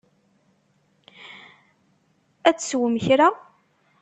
Ad teswem kra?